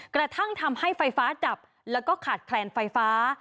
กระทั่งทำให้ไฟฟ้าดับแล้วก็ขาดแคลนไฟฟ้า